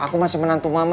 aku masih menantu mama